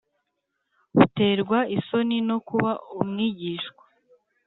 Uterwa isoni no kuba umwigishwa